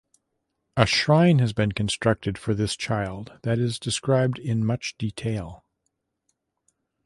A shrine has been constructed for this child that is described in much detail.